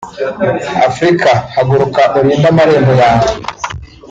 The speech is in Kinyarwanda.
“Afurika haguruka urinde amarembo yawe